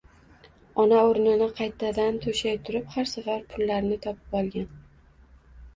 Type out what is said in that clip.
Ona o‘rinni qaytadan to‘shay turib har safar pullarni topib olgan.